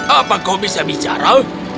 apa kau bisa bicara